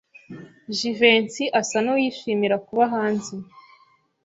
Jivency asa nuwishimira kuba hanze.